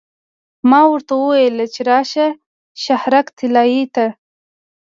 ما ورته وویل چې راشه شهرک طلایې ته.